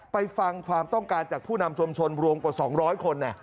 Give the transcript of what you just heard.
ฟังความต้องการจากผู้นำชุมชนรวมกว่า๒๐๐คน